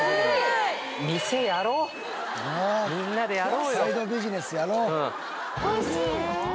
みんなでやろうよ。